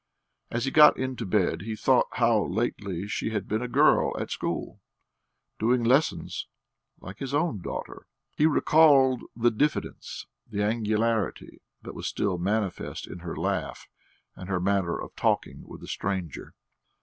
As he got into bed he thought how lately she had been a girl at school, doing lessons like his own daughter; he recalled the diffidence, the angularity, that was still manifest in her laugh and her manner of talking with a stranger.